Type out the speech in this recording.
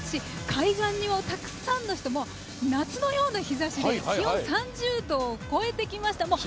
海岸にはたくさんに人出夏のような日差しで気温３０度を超えてきました。